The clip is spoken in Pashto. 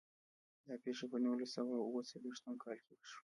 دا پیښه په نولس سوه او اووه څلوېښتم کال کې وشوه.